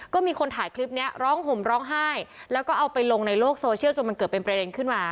ก็มีคนถ่ายคลิปนี้ร้องห่มร้องไห้แล้วก็เอาไปลงในโลกโซเชียลจนมันเกิดเป็นประเด็นขึ้นมา